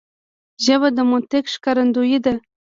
ژبه د منطق ښکارندوی ده